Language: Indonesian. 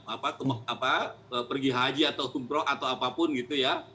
apa ke apa pergi haji atau tumprok atau apapun gitu ya